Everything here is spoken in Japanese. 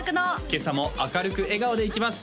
今朝も明るく笑顔でいきます！